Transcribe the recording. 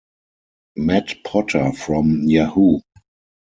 Matt Potter from Yahoo!